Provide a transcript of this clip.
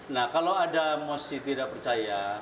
nah kalau ada mosi tidak percaya